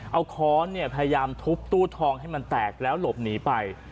เอาค้อนพยายามทุบตู้ทองให้มันแตกแล้วหลบหนีไป